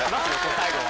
最後は。